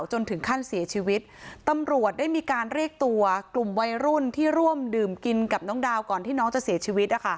จนถึงขั้นเสียชีวิตตำรวจได้มีการเรียกตัวกลุ่มวัยรุ่นที่ร่วมดื่มกินกับน้องดาวก่อนที่น้องจะเสียชีวิต